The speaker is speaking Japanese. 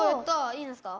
いいですか？